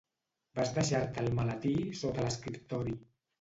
Vas deixar-te el maletí sota l'escriptori.